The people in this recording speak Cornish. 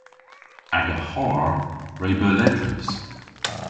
Aga harr re beu ledrys.